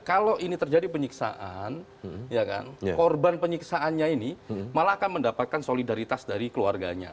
kalau ini terjadi penyiksaan korban penyiksaannya ini malah akan mendapatkan solidaritas dari keluarganya